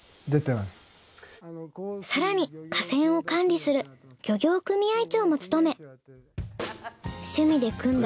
更に河川を管理する漁業組合長も務め趣味で組んだ